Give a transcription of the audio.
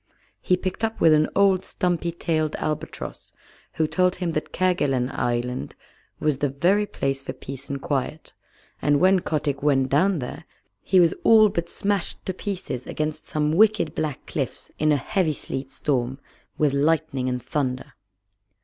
He picked up with an old stumpy tailed albatross, who told him that Kerguelen Island was the very place for peace and quiet, and when Kotick went down there he was all but smashed to pieces against some wicked black cliffs in a heavy sleet storm with lightning and thunder.